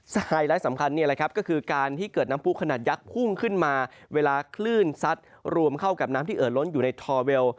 ไฮไลท์สำคัญนี่แหละครับก็คือการที่เกิดน้ำผู้ขนาดยักษ์พุ่งขึ้นมาเวลาคลื่นซัดรวมเข้ากับน้ำที่เอ่อล้นอยู่ในทอเวล